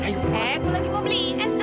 eh aku lagi mau beli es